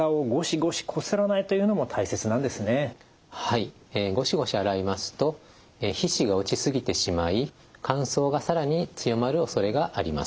ゴシゴシ洗いますと皮脂が落ち過ぎてしまい乾燥が更に強まるおそれがあります。